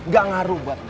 gak ngaruh buat gue